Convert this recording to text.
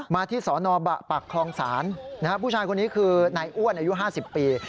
มาที่สนปากคลองศาลผู้ชายคนนี้คือนายอ้วนอายุ๕๐ปี